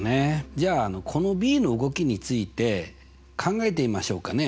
じゃあこのｂの動きについて考えてみましょうかね。